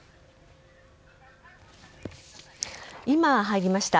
今、入りました。